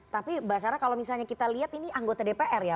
tapi mbak sarah kalau misalnya kita lihat ini anggota dpr ya